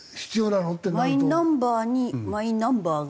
マイナンバーにマイナンバーがあるんじゃ？